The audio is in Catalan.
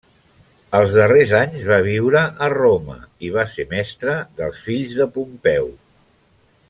Als darrers anys va viure a Roma i va ser mestre dels fills de Pompeu.